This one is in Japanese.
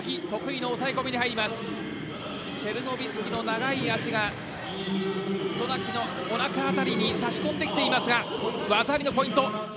チェルノビスキの長い脚が渡名喜のおなか辺りに差し込んできていますが技ありのポイント。